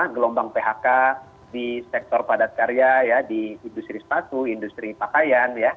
gelombang phk di sektor padat karya di industri sepatu industri pakaian ya